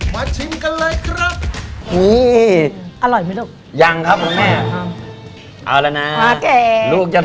มาชิมกันแหละครับ